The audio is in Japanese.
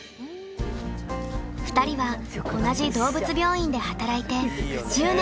２人は同じ動物病院で働いて１０年になります。